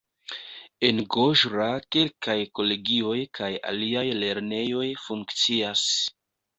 En Goĝra kelkaj kolegioj kaj aliaj lernejoj funkcias.